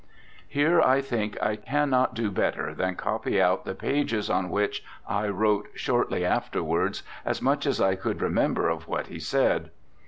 Here I think I cannot do better than copy out the pages on which I wrote shortly afterwards as much as I could remember of what he said.